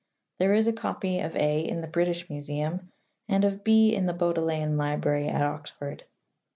There is a copy of (a) in the British ^Museum, and of (b) in the Bodleian Librarj at Oxford.